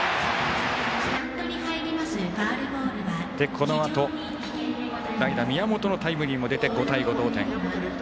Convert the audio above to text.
このあと、代打宮本のタイムリーも出て５対５、同点。